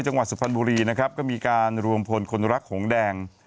จังหวัดสุพรรณบุรีนะครับก็มีการรวมพลคนรักหงแดง